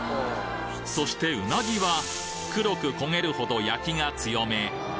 そしてうなぎは黒く焦げるほど焼きが強め。